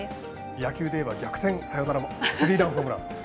野球でいえば逆転サヨナラスリーランホームラン。